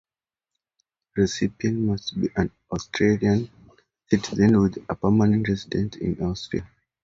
The recipient must be an Austrian citizen with a permanent residence in Austria.